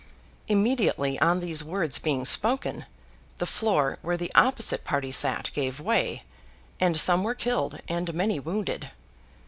Immediately on these words being spoken, the floor where the opposite party sat gave way, and some were killed and many wounded.